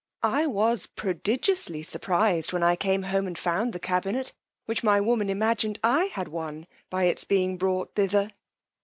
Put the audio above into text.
I was prodigiously surprized when I came home and found the Cabinet, which my woman imagined I had won by its being brought thither.